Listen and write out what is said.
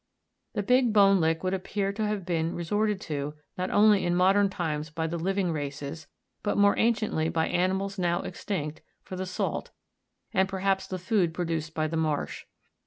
The Big Bone Lick would appear to have been resorted to, not only in modern times by the living races, but more anciently by animals now extinct, for the salt, and perhaps the food produced by the marsh.